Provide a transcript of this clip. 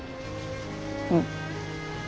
うん。